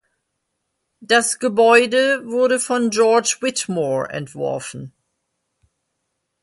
Das Gebäude wurde von George Whitmore entworfen.